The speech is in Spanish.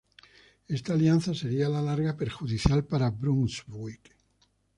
Esta alianza sería a la larga perjudicial para Brunswick.